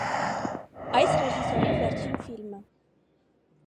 Այս ռեժիսորի վերջին ֆիլմը։